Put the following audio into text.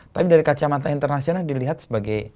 tapi dari kacamata internasional dilihat sebagai